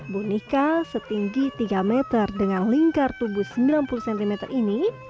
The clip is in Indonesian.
boneka setinggi tiga meter dengan lingkar tubuh sembilan puluh cm ini